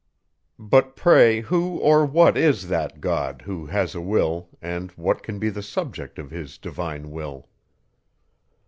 But pray, who or what is that God, who has a will, and what can be the subject of his divine will?